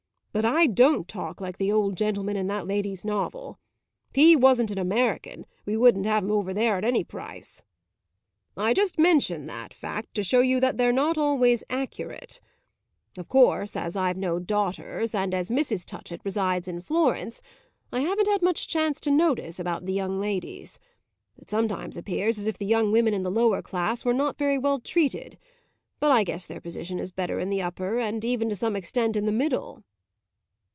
But I don't talk like the old gentleman in that lady's novel. He wasn't an American; we wouldn't have him over there at any price. I just mention that fact to show you that they're not always accurate. Of course, as I've no daughters, and as Mrs. Touchett resides in Florence, I haven't had much chance to notice about the young ladies. It sometimes appears as if the young women in the lower class were not very well treated; but I guess their position is better in the upper and even to some extent in the middle."